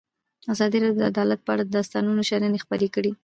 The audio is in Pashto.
ازادي راډیو د عدالت په اړه د استادانو شننې خپرې کړي.